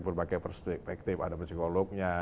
berbagai perspektif ada psikolognya